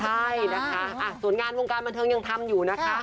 ใช่นะคะส่วนงานวงการบันเทิงยังทำอยู่นะคะ